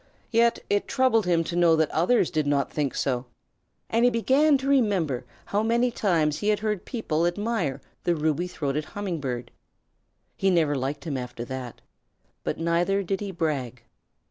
Yet it troubled him to know that others did not think so, and he began to remember how many times he had heard people admire the Ruby throated Humming Bird. He never liked him after that. But neither did he brag.